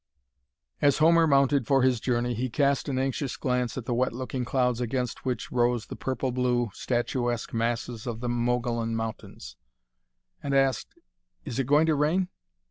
As Homer mounted for his journey he cast an anxious glance at the wet looking clouds against which rose the purple blue, statuesque masses of the Mogollon Mountains, and asked, "Is it going to rain?"